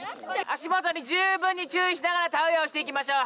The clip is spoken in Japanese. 足元に十分に注意しながら田植えをしていきましょう。